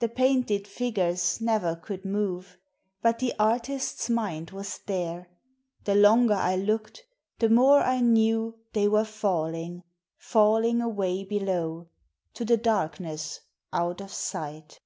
The painted figures never could move, But the artist's mind was there: The longer I look'd the more I knew They were falling, falling away below To the darkness out of sight.